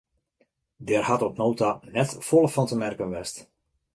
Dêr hat oant no ta net folle fan te merken west.